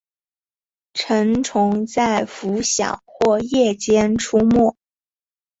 成虫在拂晓或夜间出没。